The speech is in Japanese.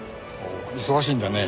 忙しいんだね。